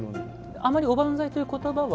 あまりおばんざいという言葉は？